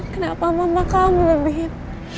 kenapa mamah kamu bim